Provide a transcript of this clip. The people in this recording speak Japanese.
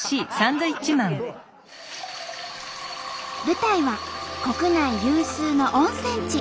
舞台は国内有数の温泉地